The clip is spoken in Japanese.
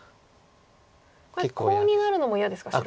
これコウになるのも嫌ですか白は。